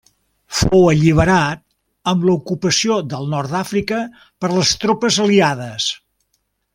Fou alliberat amb l'ocupació del nord d'Àfrica per les tropes aliades.